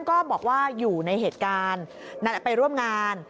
ก็บอกว่าอยู่ในเหตุการณ์ไปร่วมงาน